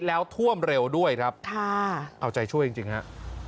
แล้วท่วมเร็วด้วยครับค่ะเอาใจช่วยจริงจริงฮะ